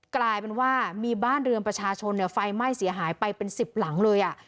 กลายเป็นว่ามีบ้านเรือนประชาชนไฟไหม้เสียหายไปเป็น๑๐หลังเลย